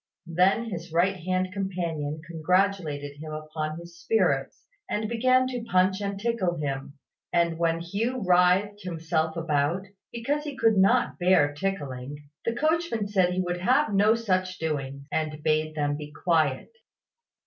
Then his right hand companion congratulated him upon his spirits, and began to punch and tickle him; and when Hugh writhed himself about, because he could not bear tickling, the coachman said he would have no such doings, and bade them be quiet.